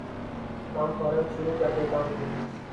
کام فورا شروع کردیتا ہوں